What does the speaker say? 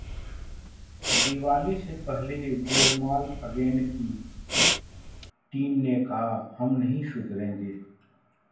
दीवाली से पहले ही गोलमाल अगेन की टीम ने कहा 'हम नहीं सुधरेंगे'